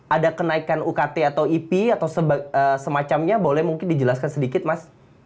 ada kenaikan ukt atau ip atau semacamnya boleh mungkin dijelaskan sedikit mas